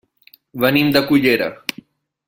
Venim de Cullera.